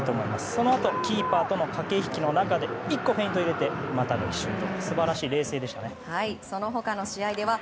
そのあとキーパーとの駆け引きの中で１個フェイントを入れて股抜きシュート。